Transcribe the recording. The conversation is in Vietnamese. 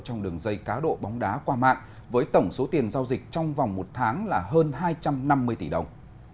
trong đường dây cá độ bóng đá qua mạng với tổng số tiền giao dịch trong vòng một tháng là hơn hai trăm năm mươi tỷ đồng